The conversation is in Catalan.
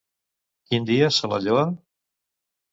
Quin dia se la lloa?